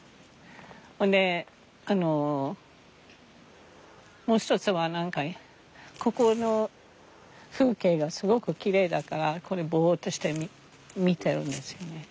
ほんであのもう一つは何かここの風景がすごくきれいだからこれぼっとして見てるんですよね。